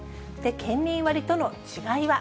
県民割との違いは？